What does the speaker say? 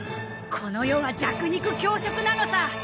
この世は弱肉強食なのさ！